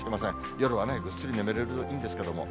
夜はぐっすり眠れるといいんですけれども。